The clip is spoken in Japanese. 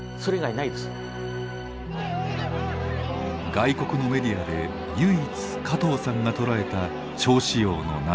外国のメディアで唯一加藤さんが捉えた趙紫陽の涙。